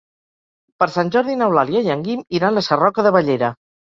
Per Sant Jordi n'Eulàlia i en Guim iran a Sarroca de Bellera.